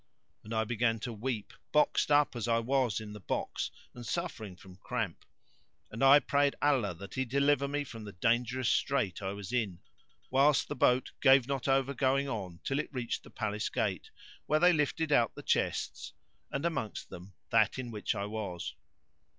And I began to weep, boxed up as I was in the box and suffering from cramp; and I prayed Allah that He deliver me from the dangerous strait I was in, whilst the boat gave not over going on till it reached the Palace gate where they lifted out the chests and amongst them that in which I was.